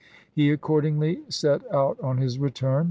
He accordingly set out on his return.